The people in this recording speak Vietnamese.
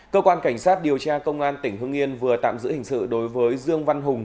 cơ quan cảnh sát điều tra công an tỉnh hương yên vừa tạm giữ hình sự đối với dương văn hùng